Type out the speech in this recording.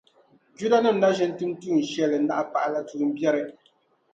Judanim’ na ʒi n-tum shɛli n-naɣi pahila tuumbiɛri.